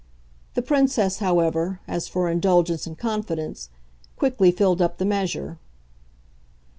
The Princess, however, as for indulgence and confidence, quickly filled up the measure.